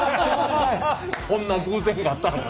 こんな偶然があったのか。